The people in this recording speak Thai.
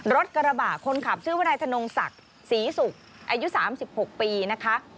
รถกระบะคนขับชื่อวนายธนงศักดิ์ศรีศุกร์อายุ๓๖ปีนะคะ